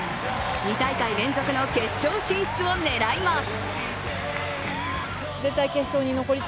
２大会連続の決勝進出を狙います。